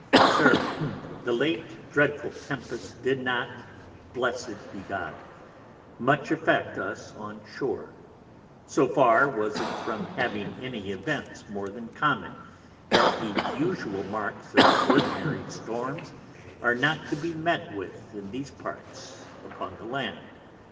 SIR, The late dreadful Tempest did not (Blessed be God) much affect us on shore, so far was it from having any events more than common, that the usual marks of ordinary Storms are not to be met with in these parts upon the Land.